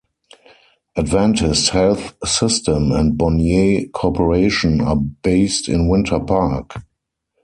Adventist Health System and Bonnier Corporation are based in Winter Park.